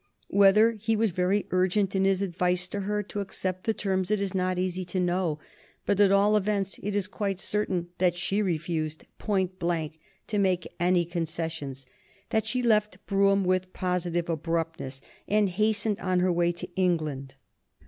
Whether he was very urgent in his advice to her to accept the terms it is not easy to know; but, at all events, it is quite certain that she refused point blank to make any concessions, that she left Brougham with positive abruptness, and hastened on her way to England.